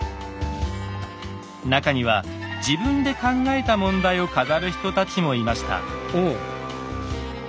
中には自分で考えた問題を飾る人たちもいました。